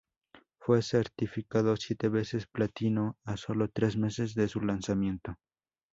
Fue certificado siete veces platino a solo tres meses de su lanzamiento.